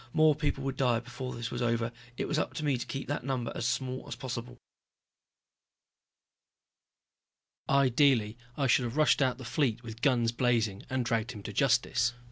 More people would die before this was over, it was up to me to keep that number as small as possible. Ideally I should have rushed out the fleet with guns blazing and dragged him to justice.